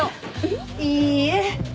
いいえ。